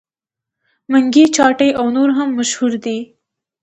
منګي چاټۍ او نور هم مشهور دي.